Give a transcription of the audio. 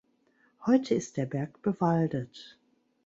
Heute ist der Berg bewaldet.